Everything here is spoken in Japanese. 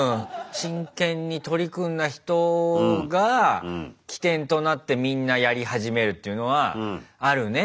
真剣に取り組んだ人が起点となってみんなやり始めるっていうのはあるね。